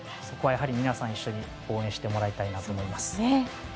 そこは皆さん一緒に応援してもらいたいなと思います。